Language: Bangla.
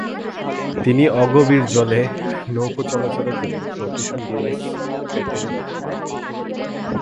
তিনি অগভীর জলে নৌকো চলাচলের জন্য ফ্লোটেশন ডিভাইসের পেটেন্ট পান।